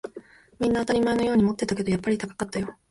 みんな当たり前のように持ってたけど、やっぱり高かったよ